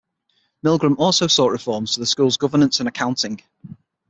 Milgram also sought reforms to the school's governance and accounting.